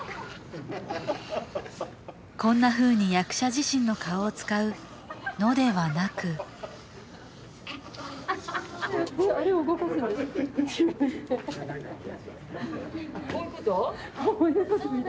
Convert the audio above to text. こんなふうに役者自身の顔を使うのではなくそうなんだ。